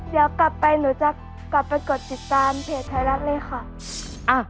เดี๋ยวกลับไปหนูจะกลับไปกดติดตามเพจไทยรัฐเลยค่ะ